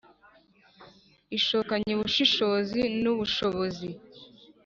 Ishokanye ubushishozi n'ubushobozi